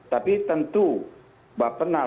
tapi tentu bapak pernah